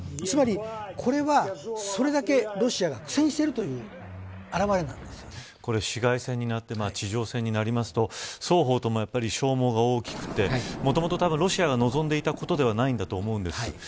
つまり、これはそれだけロシアが苦戦しているという市街戦になって地上戦になりますと双方とも消耗が大きくてもともと、たぶんロシアが望んでいたことではないんだと思うんです。